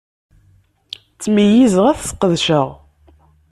Ttmeyyizeɣ ad t-ssqedceɣ.